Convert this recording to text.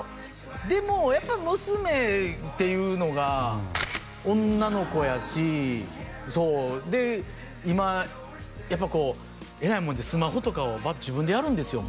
でもやっぱり娘っていうのが女の子やしそうで今やっぱこうえらいもんでスマホとかを自分でやるんですよ